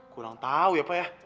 kurang tahu ya pak ya